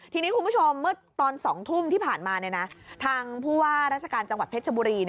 ทีนี้คุณผู้ชมเมื่อตอน๒ทุ่มที่ผ่านมาทางผู้ว่าราชการจังหวัดเพชรชบุรี